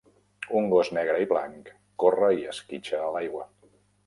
Un gos negre i blanc corre i esquitxa a l'aigua.